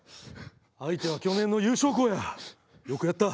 相手は去年の優勝校や。